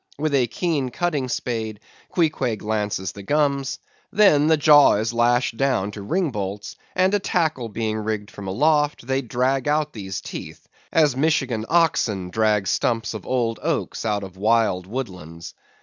With a keen cutting spade, Queequeg lances the gums; then the jaw is lashed down to ringbolts, and a tackle being rigged from aloft, they drag out these teeth, as Michigan oxen drag stumps of old oaks out of wild wood lands.